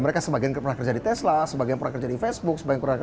mereka sebagian pernah kerja di tesla sebagian pernah kerja di facebook sebagian keluarga